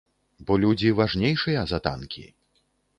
Бо людзі важнейшыя за танкі.